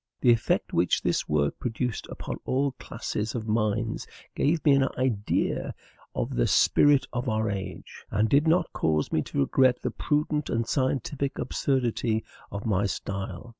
The effect which this work produced upon all classes of minds gave me an idea of the spirit of our age, and did not cause me to regret the prudent and scientific obscurity of my style.